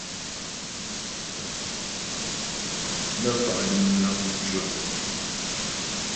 Nə́ fa' dəm nám ntʉɔ.